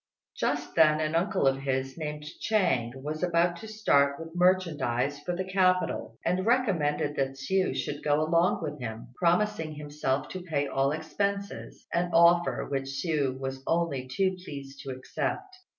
Just then an uncle of his, named Chang, was about to start with merchandise for the capital, and recommended that Hsiu should go along with him, promising himself to pay all expenses, an offer which Hsiu was only too pleased to accept.